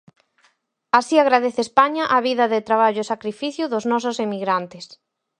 ¡Así agradece España a vida de traballo e sacrificio dos nosos emigrantes!